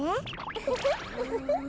ウフフウフフ。